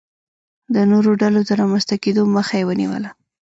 د نورو ډلو د رامنځته کېدو مخه یې ونیوله.